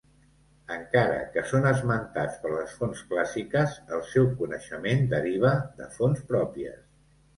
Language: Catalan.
Encara que són esmentats per les fonts clàssiques el seu coneixement deriva de fonts pròpies.